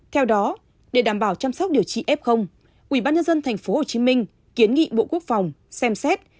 theo đó để đảm bảo chăm sóc điều trị f ủy ban nhân dân tp hcm kiến nghị bộ quốc phòng xem xét